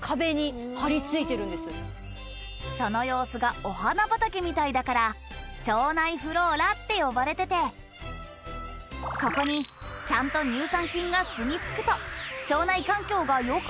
その様子がお花畑みたいだから腸内フローラって呼ばれててここにちゃんとということで。